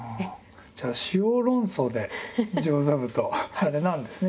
じゃあ「塩論争」で上座部とあれなんですね